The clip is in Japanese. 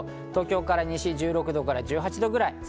東京から西、１６度から１８度ぐらい。